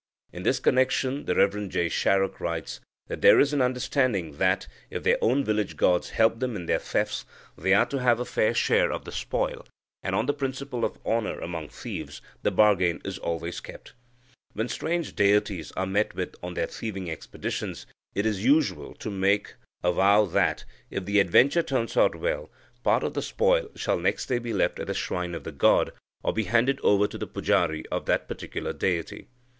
In this connection, the Rev. J. Sharrock states that "there is an understanding that, if their own village gods help them in their thefts, they are to have a fair share of the spoil, and, on the principle of honour among thieves, the bargain is always kept. When strange deities are met with on their thieving expeditions, it is usual to make a vow that, if the adventure turns out well, part of the spoil shall next day be left at the shrine of the god, or be handed over to the pujari of that particular deity.